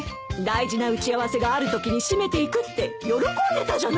大事な打ち合わせがあるときに締めていくって喜んでたじゃないのよ。